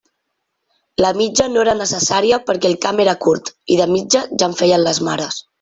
La mitja no era necessària perquè el camp era curt, i de mitja ja en feien les mares.